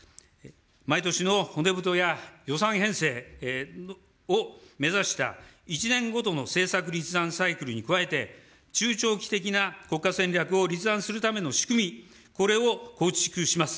毎年の骨太や予算編成を目指した１年ごとの政策立案サイクルに加えて、中長期的な国家戦略を立案するための仕組み、これを構築します。